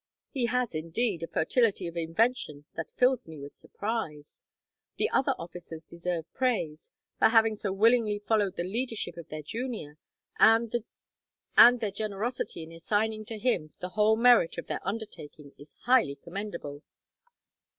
He has, indeed, a fertility of invention that fills me with surprise. The other officers deserve praise, for having so willingly followed the leadership of their junior, and their generosity in assigning to him the whole merit of their undertaking is highly commendable.